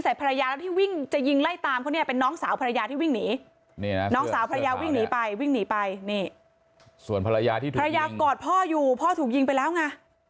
แล้วในปุ๊กคนเนี้ยนะลูกเขยคนเนี้ยนะ